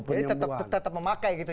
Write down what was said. jadi tetap memakai gitu